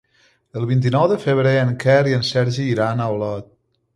El vint-i-nou de febrer en Quer i en Sergi iran a Olot.